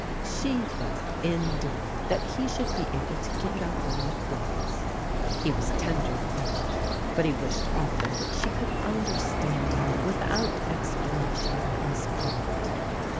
She thought indeed that he should be able to give it up all at once. He was tender with her, but he wished often that she could understand him without explanation on his part.